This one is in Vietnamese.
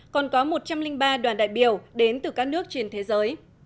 còn có một trăm linh ba đoàn đại biểu đến từ các nước trên thế giới